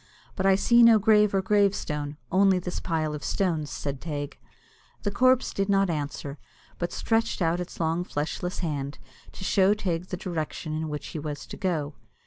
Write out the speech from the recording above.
"But I see no grave or gravestone, only this pile of stones," said Teig. The corpse did not answer, but stretched out its long fleshless hand, to show Teig the direction in which he was to go.